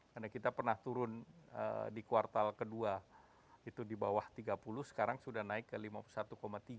karena kita pernah turun di kuartal ke dua itu di bawah tiga puluh sekarang sudah naik ke lima puluh satu tiga